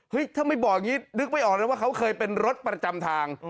ถ้าไม่บอกอย่างนี้นึกไม่ออกเลยว่าเขาเคยเป็นรถประจำทาง